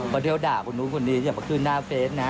เที่ยวด่าคนนู้นคนนี้อย่ามาขึ้นหน้าเฟสนะ